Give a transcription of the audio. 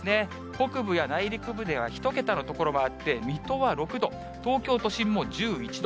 北部や内陸部では１桁の所もあって、水戸は６度、東京都心も１１度。